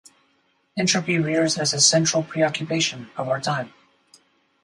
Entropy rears as a central preoccupation of our time.